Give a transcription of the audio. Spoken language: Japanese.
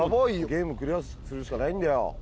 ゲームクリアするしかないんだよ